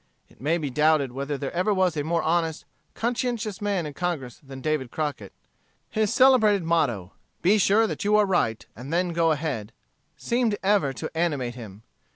It may be doubted whether there ever was a more honest, conscientious man in Congress than David Crockett. His celebrated motto, "Be sure that you are right, and then go ahead," seemed ever to animate him.